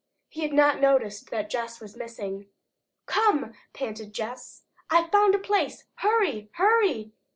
He had not noticed that Jess was missing. "Come!" panted Jess. "I've found a place! Hurry! hurry!"